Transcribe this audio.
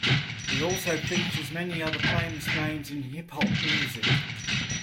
It also features many other famous names in hip hop music.